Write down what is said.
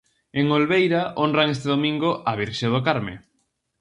En Olveira honran este domingo á Virxe do Carme.